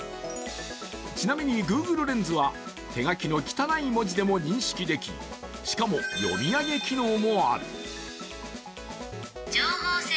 ちなみにＧｏｏｇｌｅレンズは手書きの汚い文字でも認識でき、しかも読み上げ機能もある。